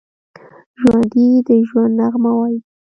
ژوندي د ژوند نغمه وايي